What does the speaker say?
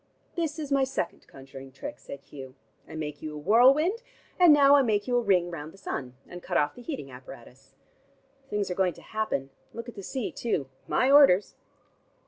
"This is my second conjuring trick," said Hugh. "I make you a whirlwind, and now I make you a ring round the sun, and cut off the heating apparatus. Things are going to happen. Look at the sea, too. My orders."